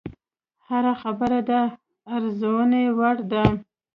هره خبره د ارزونې وړ ده